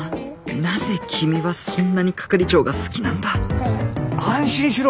なぜ君はそんなに係長が好きなんだ安心しろ。